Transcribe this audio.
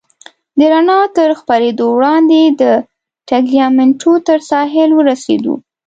د رڼا تر خپرېدو وړاندې د ټګلیامنټو تر ساحل ورسېدو.